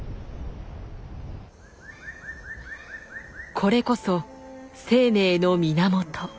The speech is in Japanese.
これこそ生命の源。